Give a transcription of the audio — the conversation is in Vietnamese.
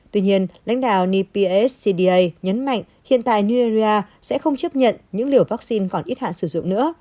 tuy nhiên lãnh đạo nepes cda nhấn mạnh hiện tại nigeria sẽ không chấp nhận những liều vaccine còn ít hạn sử dụng nữa